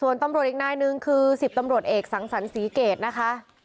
ส่วนตำรวจอีกนายนึงคือ๑๐ตำรวจเอกสังสรรศรีเกตนะคะ